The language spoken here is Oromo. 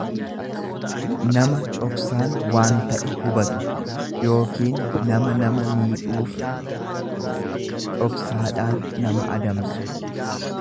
nama dhoksaan waan ta'e hubatu yookiin nama nama miidhuuf dhoksaadhaan nama adamsu.